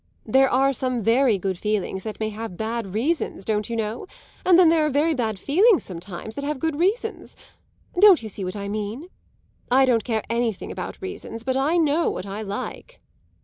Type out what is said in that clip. There are some very good feelings that may have bad reasons, don't you know? And then there are very bad feelings, sometimes, that have good reasons. Don't you see what I mean? I don't care anything about reasons, but I know what I like."